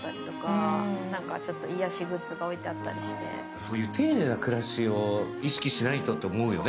そういう丁寧な暮らしを意識しないとと思うよね。